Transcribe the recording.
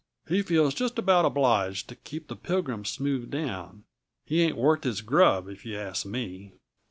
He feels just about obliged to keep the Pilgrim smoothed down; he ain't worth his grub, if you ask me."